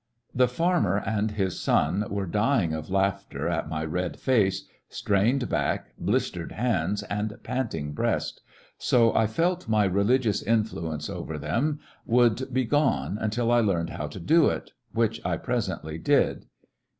The farmer and his son were dying of laughter at my red face, strained back, blistered hands, and panting breast, so I felt my religious influence over them would be gone until I learned how to do it, which I presently did.